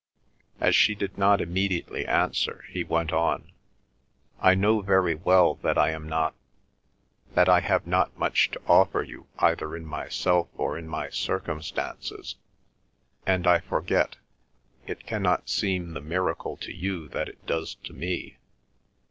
As she did not immediately answer, he went on. "I know very well that I am not—that I have not much to offer you either in myself or in my circumstances. And I forget; it cannot seem the miracle to you that it does to me.